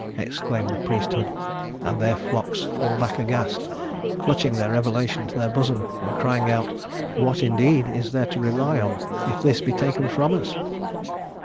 exclaim the priesthood, and their flocks fall back aghast, clutching their revelation to their bosom and crying out: "What indeed is there to rely on if this be taken from us?"